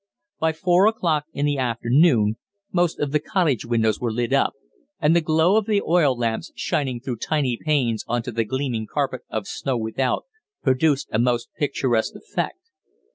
By four o'clock in the afternoon most of the cottage windows were lit up, and the glow of the oil lamps shining through tiny panes on to the gleaming carpet of snow without, produced a most picturesque effect.